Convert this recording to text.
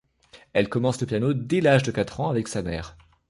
Elle commence le piano dès l'âge de quatre ans avec sa mère.